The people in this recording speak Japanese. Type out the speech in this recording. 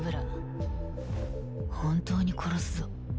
本当に殺すぞ。